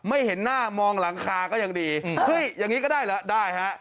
เห็นหน้ามองหลังคาก็ยังดีเฮ้ยอย่างนี้ก็ได้เหรอได้ฮะ